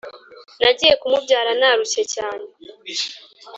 Nagiye kumubyara narushye cyane